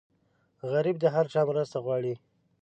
غریب د هر چا مرسته غواړي